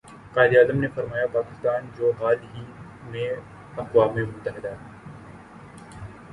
قائد اعظم نے فرمایا پاکستان جو حال ہی میں اقوام متحدہ